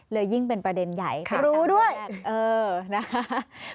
ยิ่งเป็นประเด็นใหญ่รู้ด้วยเออนะคะ